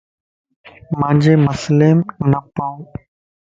مانجي مسليم نه پئو